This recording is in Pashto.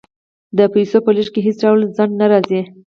د پیسو په لیږد کې هیڅ ډول ځنډ نه راځي.